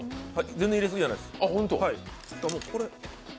全然入れ過ぎじゃないです。